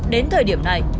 đến thời điểm này